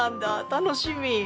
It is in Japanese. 楽しみ！